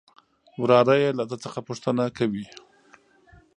وراره يې له ده څخه پوښتنه کوي.